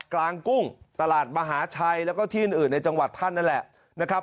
กุ้งตลาดมหาชัยแล้วก็ที่อื่นในจังหวัดท่านนั่นแหละนะครับ